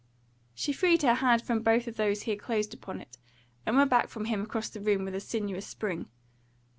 She freed her hand from both of those he had closed upon it, and went back from him across the room with a sinuous spring.